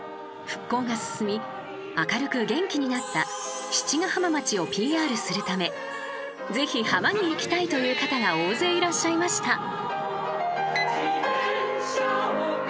復興が進み、明るく元気になった七ヶ浜町をＰＲするためぜひ浜に行きたいという方が大勢いらっしゃいました。